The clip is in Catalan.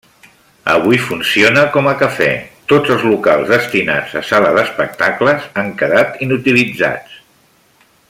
Avui funciona com a cafè; tots els locals destinats a sala d'espectacles han quedat inutilitzats.